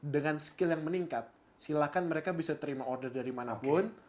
dengan skill yang meningkat silahkan mereka bisa terima order dari mana pun